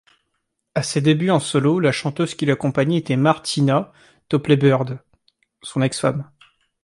À ses débuts en solo, la chanteuse qui l'accompagnait était Martina Topley-Bird, son ex-femme.